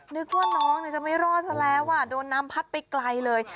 นึกว่าน้องจะไม่รอดซะแล้วโดนน้ำพัดไปไกลเลย